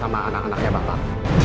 oleh anak anaknya bapak